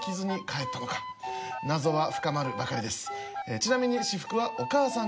ちなみに。